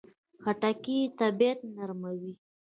خټکی د طبعیت نرموي.